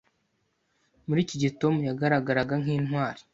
Muri iki gihe Tom yagaragaraga nk'intwari.